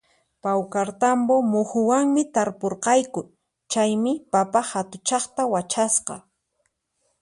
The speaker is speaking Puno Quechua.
Pawkartambo muhuwanmi tarpurqayku, chaymi papa hatuchaqta wachasqa